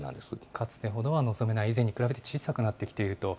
かつてほどは望めない、以前に比べて小さくなってきていると。